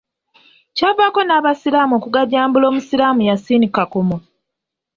Kyavaako n'Abasiraamu okugajambula Omusiraamu Yasin Kakomo.